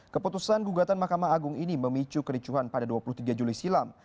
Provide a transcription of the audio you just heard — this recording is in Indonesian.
keputusan gugatan mahkamah agung ini memicu kericuhan pada dua puluh tiga juli silam